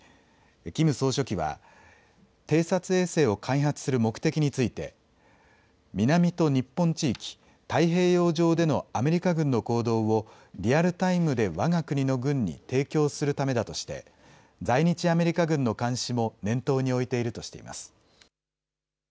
キム総書記は偵察衛星を開発する目的について南と日本地域、太平洋上でのアメリカ軍の行動をリアルタイムでわが国の軍に提供するためだとして在日アメリカ軍の監視も念頭に置いているとしています。